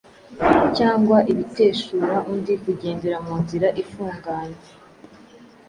cyangwa ibiteshura undi kugendera mu nzira ifunganye,